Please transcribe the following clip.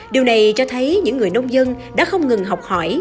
điều này cho thấy những người nông dân đã không ngừng học hỏi